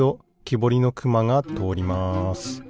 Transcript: ぼりのくまがとおります。